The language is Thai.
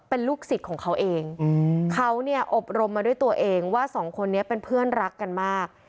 เป็นลูกศิษย์ของเขาเองเขาเนี่ยอบรมมาด้วยตัวเองว่าสองคนนี้เป็นเพื่อนรักกันมาก